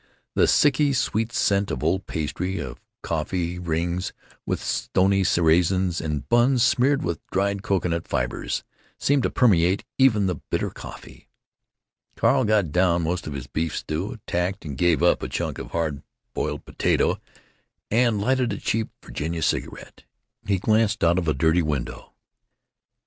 The sicky sweet scent of old pastry, of coffee rings with stony raisins and buns smeared with dried cocoanut fibers, seemed to permeate even the bitter coffee. Carl got down most of his beef stew, attacked and gave up a chunk of hard boiled potato, and lighted a cheap Virginia cigarette. He glanced out of the dirty window.